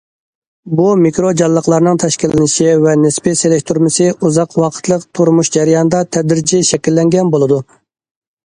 بۇ مىكرو جانلىقلارنىڭ تەشكىللىنىشى ۋە نىسپىي سېلىشتۇرمىسى ئۇزاق ۋاقىتلىق تۇرمۇش جەريانىدا تەدرىجىي شەكىللەنگەن بولىدۇ.